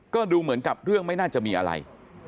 ก็ดูเหมือนกับเรื่องไม่น่าจะมีอะไร